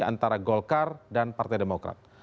antara golkar dan partai demokrat